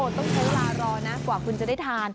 ต้องใช้เวลารอนะกว่าคุณจะได้ทาน